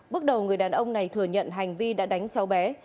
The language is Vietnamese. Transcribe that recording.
bước đầu người đàn ông này thừa nhận hành vi đã đánh cháu bé